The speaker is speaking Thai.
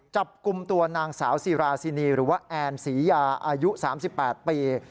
จับกลุ่มตัวนางสาวซีราซินีหรือว่าแอนศรียาอายุ๓๘ปี